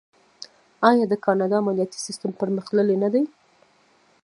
آیا د کاناډا مالیاتي سیستم پرمختللی نه دی؟